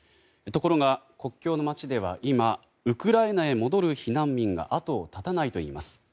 ところが国境の町では今ウクライナへ戻る避難民が後を絶たないといいます。